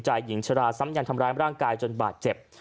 หญิงชราซ้ำยันทำร้ายร่างกายจนบาดเจ็บ